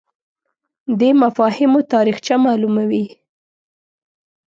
دی مفاهیمو تاریخچه معلوموي